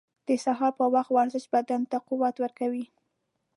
• د سهار پر وخت ورزش بدن ته قوت ورکوي.